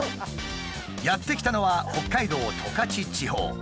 やって来たのは北海道十勝地方。